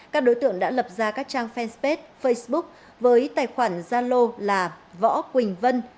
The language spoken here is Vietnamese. các đối tượng đã lập ra các trang fanpage facebook với tài khoản gia lô là võ quỳnh vân